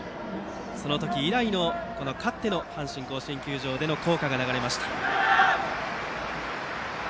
その時以来の勝っての阪神甲子園球場での校歌が流れました。